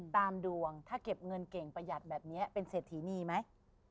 ดวงถ้าเก็บเงินเก่งประหยัดแบบนี้เป็นเศรษฐีนีไหม